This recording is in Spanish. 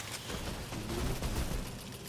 Humana Inc.